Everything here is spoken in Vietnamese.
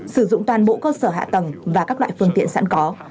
sử dụng toàn bộ cơ sở hạ tầng và các loại phương tiện sẵn có